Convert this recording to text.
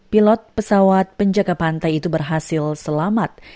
pilot pesawat penjaga pantai itu berhasil selamat